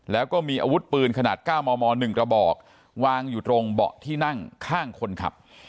แล้วก็มีอาวุธปืนขนาด๙มม๑กระบอกวางอยู่ตรงเบาะที่นั่งข้างคนขับ